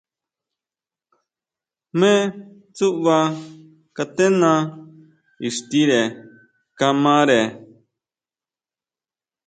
Jne tsúʼba katena ixtire kamare.